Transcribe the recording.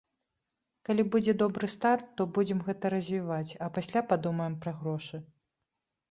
Калі будзе добры старт, то будзем гэта развіваць, а пасля падумаем пра грошы.